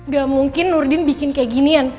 gak mungkin nurdin bikin kayak ginian